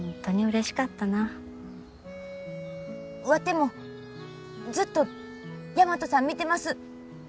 ワテもずっと大和さん見てます。